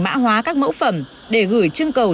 mã hóa các mẫu phẩm để gửi chương cầu